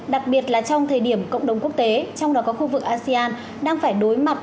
đặc biệt là trong thời điểm cộng đồng quốc tế trong đó có khu vực asean đang phải đối mặt